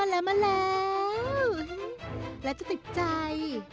แล้วจะติดใจ